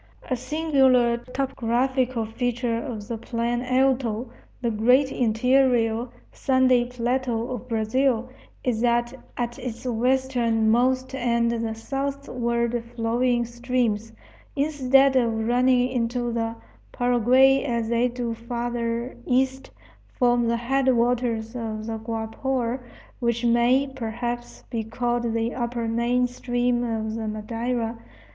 A singular topographical feature of the Plan Alto, the great interior sandy plateau of Brazil, is that at its westernmost end the southward flowing streams, instead of running into the Paraguay as they do farther east, form the headwaters of the Guapore, which may, perhaps, be called the upper main stream of the Madeira.